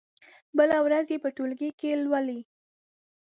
بله ورځ يې په ټولګي کې ولولئ.